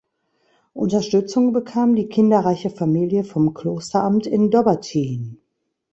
Unterstützung bekam die kinderreiche Familie vom Klosteramt in Dobbertin.